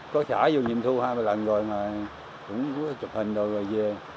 có xã vô nhiệm thu hai lần rồi mà cũng có chụp hình rồi rồi về